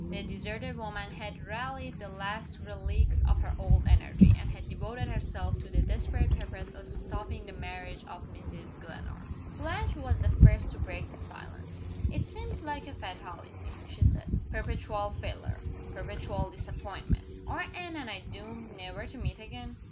The deserted woman had rallied the last relics of her old energy and had devoted herself to the desperate purpose of stopping the marriage of Mrs. Glenarm. Blanche was the first to break the silence. "It seems like a fatality," she said. "Perpetual failure! Perpetual disappointment! Are Anne and I doomed never to meet again?"